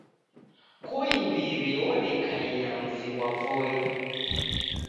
Koimbiri odekaia mzi ghwa Voi